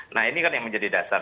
nah ini kan yang menjadi dasar